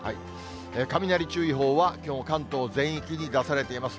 雷注意報は、きょうも関東全域に出されています。